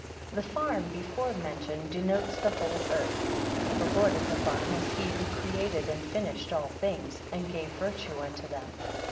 The farm before mentioned denotes the whole earth. The Lord of the farm is he, who created and finished all things; and gave virtue unto them.